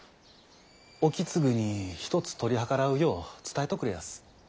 意次にひとつ取り計らうよう伝えとくれやす。